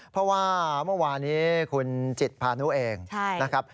เพราะว่าเมื่อวานี้คุณจิตพานุเองนะครับ